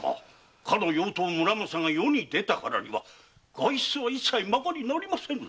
かの妖刀「村正」が世に出たからには外出はいっさいまかりなりませぬぞ。